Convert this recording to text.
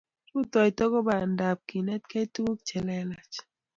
rutoito ko poroindap kenetkei tukukchelelach